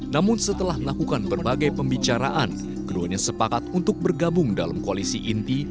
namun setelah melakukan berbagai pembicaraan keduanya sepakat untuk bergabung dalam koalisi inti